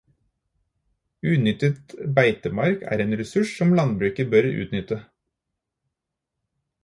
Unyttet beitemark er en ressurs som landbruket bør utnytte.